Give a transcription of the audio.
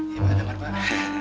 ya mak damar pak